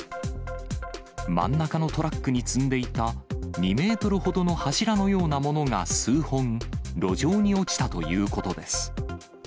真ん中のトラックに積んでいた、２メートルほどの柱のようなものが数本、路上に落ちたということです。